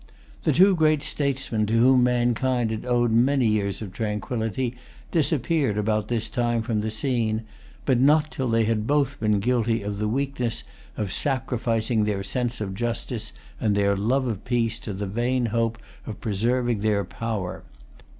The two great statesmen to whom mankind had owed many years of tranquillity disappeared about this time from the scene, but not till they had both been guilty of the weakness of sacrificing their sense of justice and their love of peace to the vain hope of preserving their power.